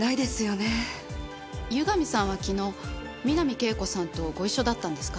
湯上さんは昨日三波圭子さんとご一緒だったんですか？